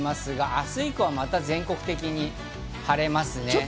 明日以降は全国的に晴れますね。